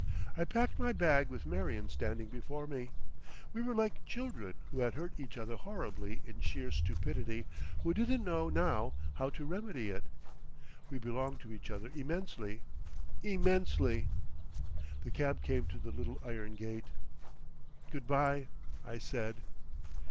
I packed my bag with Marion standing before me. We were like children who had hurt each other horribly in sheer stupidity, who didn't know now how to remedy it. We belonged to each other immensely—immensely. The cab came to the little iron gate. "Good bye!" I said.